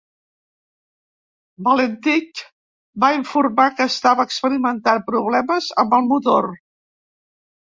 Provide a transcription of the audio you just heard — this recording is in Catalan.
Valentich va informar que estava experimentant problemes amb el motor.